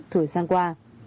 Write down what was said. thời gian qua